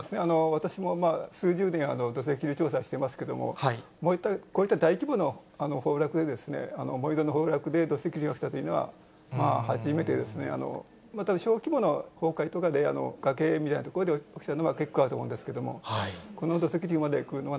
私も数十年、土石流調査していますけれども、こういった大規模の崩落で、盛り土の崩落で土石流が起きたというのは、初めてですね。また小規模の崩壊とかで、崖みたいな所で起きたのは結構あると思うんですけれども、この土石流までくるのは、